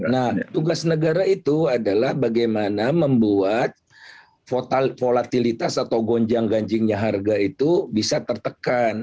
nah tugas negara itu adalah bagaimana membuat volatilitas atau gonjang ganjingnya harga itu bisa tertekan